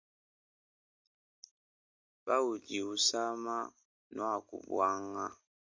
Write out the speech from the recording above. Pawudi usama nuaku buanga.